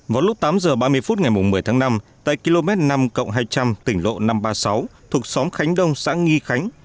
vào lúc tám h ba mươi phút ngày một mươi tháng năm tại km năm hai trăm linh tỉnh lộ năm trăm ba mươi sáu thuộc xóm khánh đông xã nghi khánh